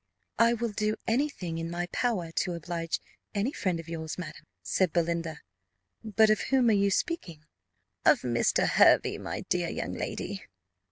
"I will do any thing in my power to oblige any friend of yours, madam," said Belinda; "but of whom are you speaking?" "Of Mr. Hervey, my dear young lady."